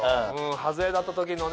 外れだった時のね